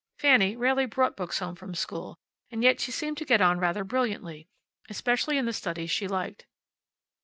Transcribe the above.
Fanny rarely brought books from school, and yet she seemed to get on rather brilliantly, especially in the studies she liked.